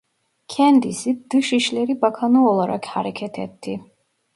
Kendisi dışişleri bakanı olarak hareket etti.